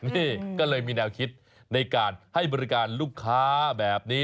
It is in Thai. นี่ก็เลยมีแนวคิดในการให้บริการลูกค้าแบบนี้